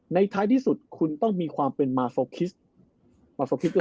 ในท้ายที่สุดคุณต้องมีความเป็นคงพูดถึงตำแหน่งที่สุด